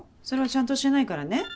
それはちゃんとしてないからね。